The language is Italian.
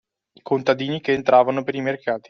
Contadini che entravano per i mercati